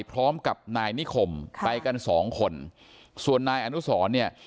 พร้อมกับนายนิคมไปกันสองคนส่วนนายอนุสรเนี่ย